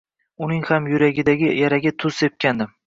Uning ham yuragidagi yaraga tuz sepgandim